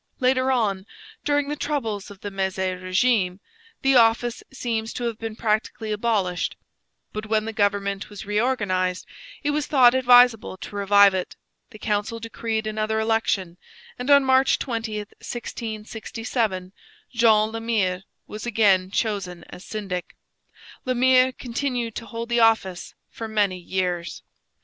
Later on, during the troubles of the Mezy regime, the office seems to have been practically abolished; but when the government was reorganized, it was thought advisable to revive it. The council decreed another election, and on March 20, 1667, Jean Le Mire was again chosen as syndic. Le Mire continued to hold the office for many years.